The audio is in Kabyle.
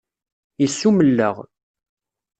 Yessummel-aɣ.